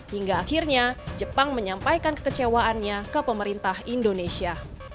hingga akhirnya jepang menyampaikan kekecewaannya ke pemerintah indonesia